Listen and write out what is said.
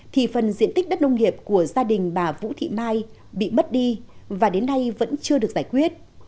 thì phần diện tích đất nông nghiệp của gia đình bà vũ thị mai bị mất đi và đến nay vẫn chưa được giải quyết